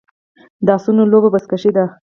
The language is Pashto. د اسونو لوبه بزکشي ده